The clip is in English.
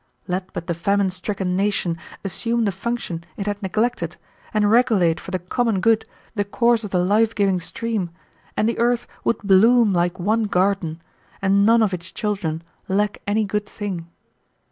Let but the famine stricken nation assume the function it had neglected, and regulate for the common good the course of the life giving stream, and the earth would bloom like one garden, and none of its children lack any good thing.